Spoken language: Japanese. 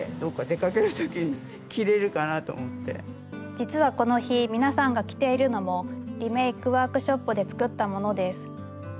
実はこの日皆さんが着ているのもリメイクワークショップで作ったものです。